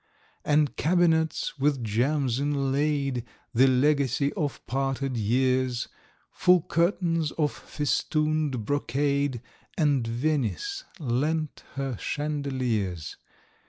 And cabinets with gems inlaid, The legacy of parted years, Full curtains of festoon'd brocade, And Venice lent her chandeliers.